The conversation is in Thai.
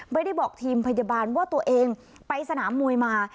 ไม่ได้บอกทีมพยาบาลว่าตัวเองไปสนามมวยมา